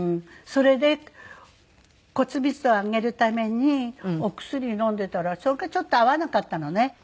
それで骨密度を上げるためにお薬飲んでたらそれがちょっと合わなかったのね。